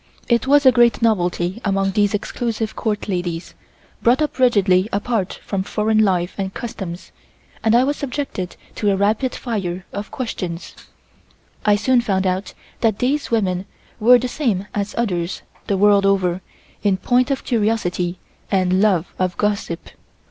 I was a great novelty among these exclusive Court ladies, brought up rigidly apart from foreign life and customs, and I was subjected to a rapid fire of questions. I soon found that these women were the same as others the world over in point of curiosity and love of gossip.